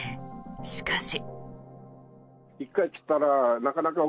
しかし。